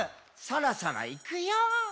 「そろそろいくよー」